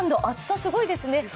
厚さすごいですね。